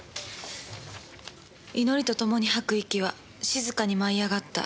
「祈りとともに吐く息は静かに舞い上がった」